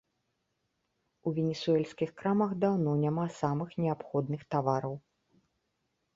У венесуэльскіх крамах даўно няма самых неабходных тавараў.